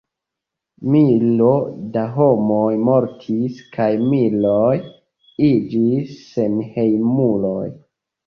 Milo da homoj mortis kaj miloj iĝis senhejmuloj.